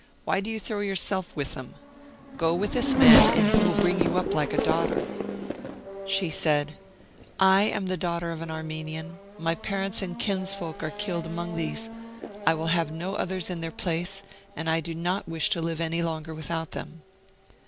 Why do you throw yourself with them? Go with this man and he will bring you up like a daughter.' She said :' I am the daughter of an Armenian ; my parents and kinsfolk are killed among these; I will have no others in their place, and I do not wish to live any longer without them.'